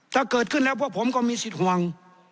ถ้าเกิดขึ้นแล้วพวกผมก็มีสิทธิ์ห่วง